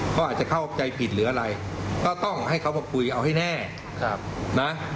เขาอาจจะเข้าใจผิดหรืออะไรก็ต้องให้เขามาคุยเอาให้แน่นะ